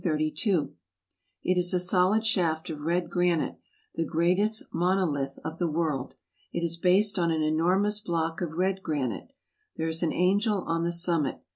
It is a solid shaft of red granite, the greatest monolith of the world. It is based on an enormous block of red granite. There is an angel on the summit.